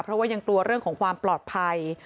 เพราะว่ายังกลัวเรื่องของความปลอดภัย